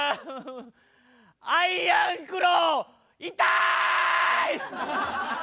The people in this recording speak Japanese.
アイアンクロー痛い！